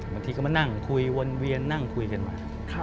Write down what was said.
บางทีก็มานั่งคุยวนเวียนนั่งคุยกันมา